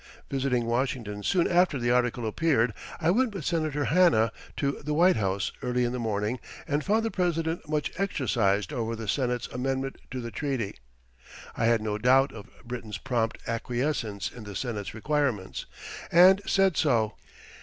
Visiting Washington soon after the article appeared, I went with Senator Hanna to the White House early in the morning and found the President much exercised over the Senate's amendment to the treaty. I had no doubt of Britain's prompt acquiescence in the Senate's requirements, and said so.